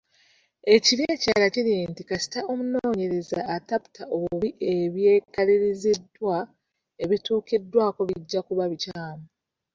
Ekibi ekirala kiri nti, kasita omunoonyereza ataputa obubi ebyo ebyekaliriziddwa, ebituukiddwako bijja kuba bikyamu.